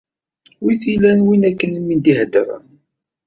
Wi t-ilan win akken i m-d-iheddṛen?